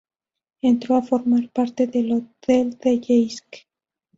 Entró a formar parte del otdel de Yeisk.